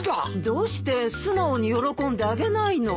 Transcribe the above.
どうして素直に喜んであげないの？